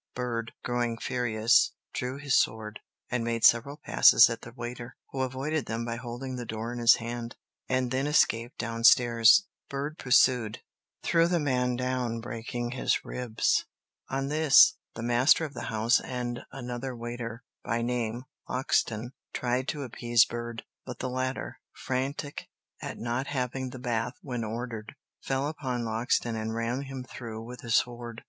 Bird, growing furious, drew his sword, and made several passes at the waiter, who avoided them by holding the door in his hand, and then escaped down stairs. Bird pursued, threw the man down, breaking his ribs. On this the master of the house and another waiter, by name Loxton, tried to appease Bird, but the latter, frantic at not having the bath when ordered, fell upon Loxton and ran him through with his sword.